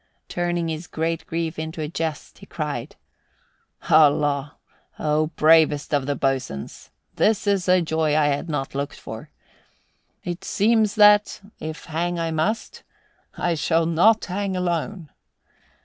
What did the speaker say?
Turning his great grief into a jest, he cried, "Holla, O bravest of boatswains! This is a joy I had not looked for. It seems that, if hang I must, I shall not hang alone."